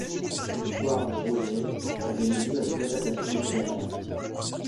L'histoire de Rogers a donné lieu à des adaptations littéraires.